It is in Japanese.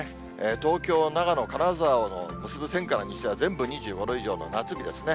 東京、長野、金沢を結ぶ線から西は、全部２５度以上の夏日ですね。